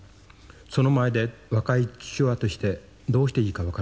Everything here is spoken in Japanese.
その前で若い父親としてどうしていいか分からない。